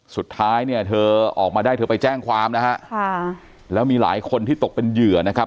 สุดท้ายเนี่ยเธอออกมาได้เธอไปแจ้งความนะฮะค่ะแล้วมีหลายคนที่ตกเป็นเหยื่อนะครับ